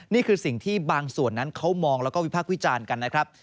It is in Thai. นี่คือสิ่งที่บางส่วนนั้นเขามองแล้วก็วิพากษ์วิจารณ์กันนะครับ